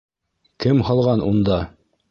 Кем һалған унда?